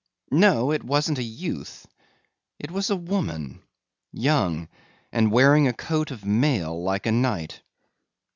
No, it wasn't a youth, it was a woman, young, and wearing a coat of mail like a knight.